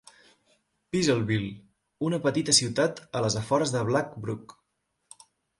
Peasleville: una petita ciutat a les afores de Black Brook.